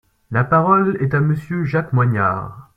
La parole est à Monsieur Jacques Moignard.